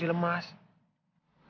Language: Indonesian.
kamu tidak boleh jalan sendiri